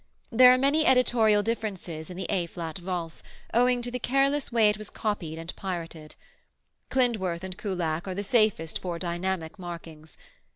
There are many editorial differences in the A flat Valse, owing to the careless way it was copied and pirated. Klindworth and Kullak are the safest for dynamic markings.